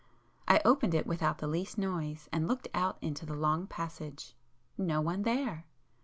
I opened it without the least noise, and looked out into the long passage,—no one there!